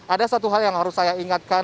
ada satu hal yang harus saya ingatkan